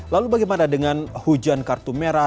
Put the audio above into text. lalu bagaimana dengan hujan kartu merah